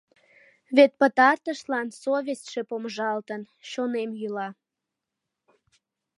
Вет пытартышлан совестьше помыжалтын: «Чонем йӱла...